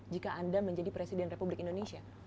jika anda menjadi presiden republik indonesia